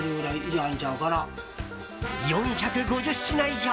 ４５０品以上！